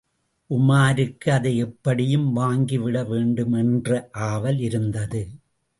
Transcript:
உமாருக்கு அதை எப்படியும் வாங்கிவிட வேண்டுமென்ற ஆவல் இருந்தது.